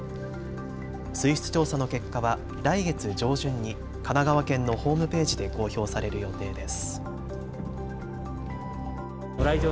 水質調査の結果は来月上旬に神奈川県のホームページで公表される予定です。